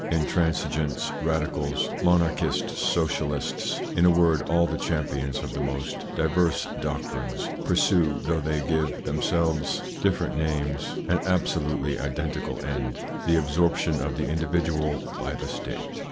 Intransigeants, Radicals, Monarch ITS INFLUENCE ON THEIR EVOLUTION 131 ists, Socialists, in a word all the champions of the most diverse doctrines, pursue, though they give themselves different names, an absolutely identical end : the absorption of the individual by the State.